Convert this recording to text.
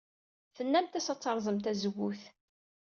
Tennamt-as ad terẓem tazewwut.